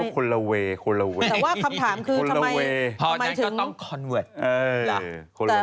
ก็ได้นะ